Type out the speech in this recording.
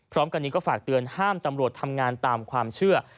พร้อมกันนี้ก็ฝากเตือนห้ามตำรวจทำงานตามความเชื่อ